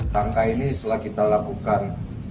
langkah ini setelah kita lakukan